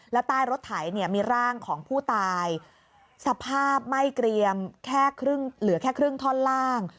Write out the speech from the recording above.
แล้วใต้รถไถเนี่ยมีร่างของผู้ตายสภาพไม่เกรียมแค่ครึ่งเหลือแค่ครึ่งท่อนล่าง